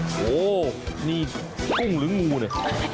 โหนี่กุ้งหรืองูเนี่ย